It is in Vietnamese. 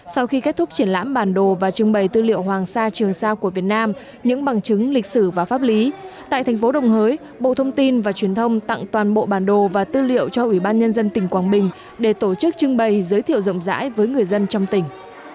sau khi kết thúc triển lãm bản đồ và trưng bày tư liệu hoàng sa trường sa của việt nam những bằng chứng lịch sử và pháp lý tại thành phố đồng hới bộ thông tin và truyền thông tặng toàn bộ bản đồ và tư liệu cho ủy ban nhân dân tỉnh quảng bình để tổ chức trưng bày giới thiệu rộng rãi với người dân trong tỉnh